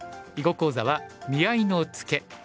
囲碁講座は「見合いのツケ」。